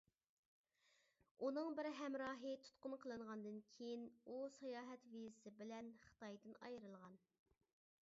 ئۇنىڭ بىر ھەمراھى تۇتقۇن قىلىنغاندىن كېيىن ، ئۇ ساياھەت ۋىزىسى بىلەن خىتايدىن ئايرىلغان .